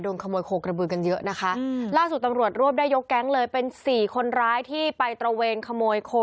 ขโมยโคกระบือกันเยอะนะคะล่าสุดตำรวจรวบได้ยกแก๊งเลยเป็นสี่คนร้ายที่ไปตระเวนขโมยโค